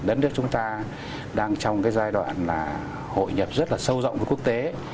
đất nước chúng ta đang trong cái giai đoạn là hội nhập rất là sâu rộng với quốc tế